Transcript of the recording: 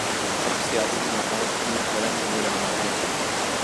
اب سیاسی محاذ بھی گرم ہو رہا ہے۔